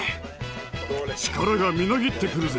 力がみなぎってくるぜ。